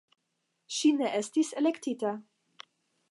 Ŝi ne estis elektita.